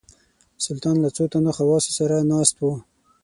سلطان له څو تنو خواصو سره ناست وو.